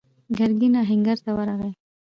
ګرګين آهنګر ته ورغی.